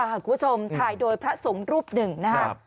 คุณผู้ชมถ่ายโดยพระสงฆ์รูปหนึ่งนะครับ